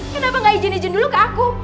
kenapa nggak ijin ijin dulu ke aku